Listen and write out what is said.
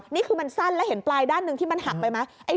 นี่คือมันสั้นแล้วเห็นปลายด้านหนึ่งที่มันหักไปไหม